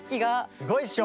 すごいっしょ！